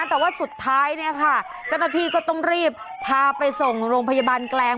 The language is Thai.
แต่ว่าสุดท้ายเนี่ยค่ะเจ้าหน้าที่ก็ต้องรีบพาไปส่งโรงพยาบาลแกลง